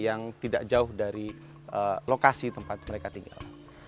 yang tidak jauh dari lokasi tempat mereka tinggal